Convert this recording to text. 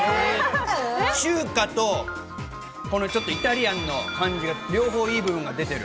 中華と、ちょっとイタリアンの感じで両方、いい分が出てる。